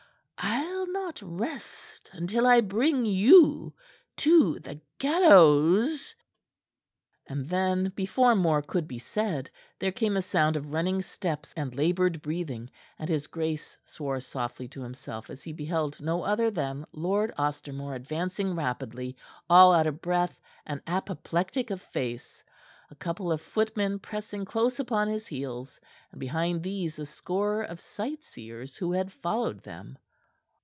I'll not rest until I bring you to the gallows." And then, before more could be said, there came a sound of running steps and labored breathing, and his grace swore softly to himself as he beheld no other than Lord Ostermore advancing rapidly, all out of breath and apoplectic of face, a couple of footmen pressing close upon his heels, and, behind these, a score of sightseers who had followed them.